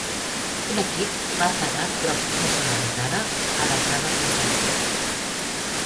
Un equip va aterrar prop d'una zona habitada, alertant els defensors.